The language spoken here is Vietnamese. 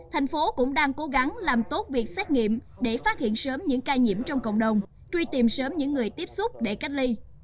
thành phố cũng đang cố gắng làm tốt việc xét nghiệm để phát hiện sớm những ca nhiễm trong cộng đồng truy tìm sớm những người tiếp xúc để cách ly